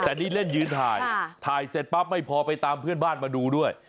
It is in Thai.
แต่นี่เล่นยืนถ่ายถ่ายเสร็จปั๊บไม่พอไปตามเพื่อนบ้านมาดูด้วย